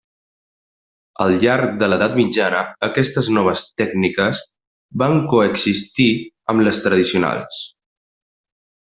Al llarg de l'edat mitjana aquestes noves tècniques van coexistir amb les tradicionals.